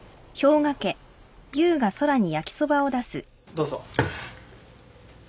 どうぞ。